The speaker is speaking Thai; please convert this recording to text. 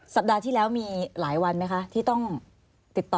สัปดาห์ที่แล้วมีหลายวันไหมคะที่ต้องติดต่อ